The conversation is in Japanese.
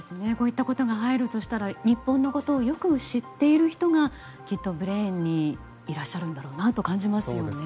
こういったことが入るとしたら、日本のことをよく知っている人がきっとブレーンにいらっしゃるだろうと感じます。